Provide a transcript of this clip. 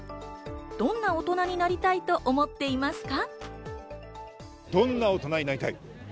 どんな大人になりたいと思っていますか？